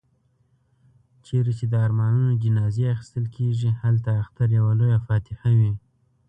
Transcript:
چيري چي د ارمانونو جنازې اخيستل کېږي، هلته اختر يوه لويه فاتحه وي.